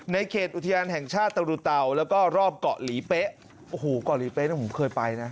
เขตอุทยานแห่งชาติตะรุเตาแล้วก็รอบเกาะหลีเป๊ะโอ้โหเกาะหลีเป๊ะเนี่ยผมเคยไปนะ